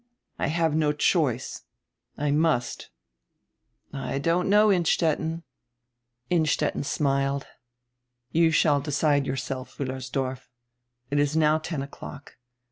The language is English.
I have no choice. I must." "I don't know, Innstetten." Innstetten smiled. "You shall decide yourself, Wiillers dorf. It is now ten o'clock.